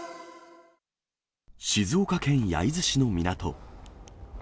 静岡県焼津市の港。